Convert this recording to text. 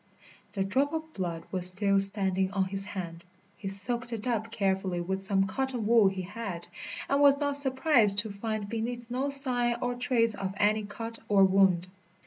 The drop of blood was still standing on his hand. He soaked it up carefully with some cotton wool he had, and was not surprised to find beneath no sign or trace of any cut or wound.